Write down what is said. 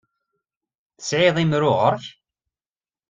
Tesɛiḍ imru ɣer-k?